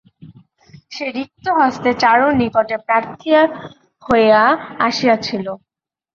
সে রিক্তহস্তে চারুর নিকটে প্রার্থী হইয়া আসিয়াছিল।